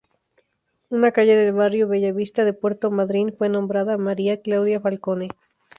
Una calle del barrio Bella Vista, de Puerto Madryn fue nombrada María Claudia Falcone.